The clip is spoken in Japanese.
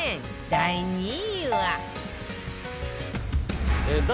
第２位は